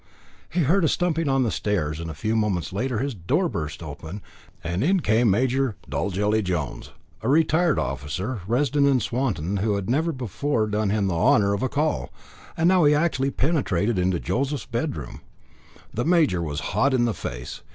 he heard a stumping on the stairs, and a few moments later his door was burst open, and in came Major Dolgelly Jones, a retired officer, resident in Swanton, who had never before done him the honour of a call and now he actually penetrated to Joseph's bedroom. The major was hot in the face.